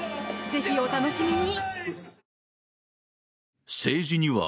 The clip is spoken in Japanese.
ぜひ、お楽しみに。